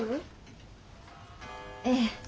ええ。